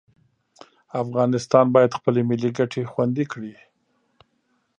افغانستان باید خپلې ملي ګټې خوندي کړي.